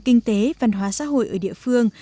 kinh tế văn hóa xã hội ở địa phương